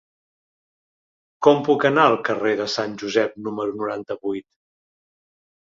Com puc anar al carrer de Sant Josep número noranta-vuit?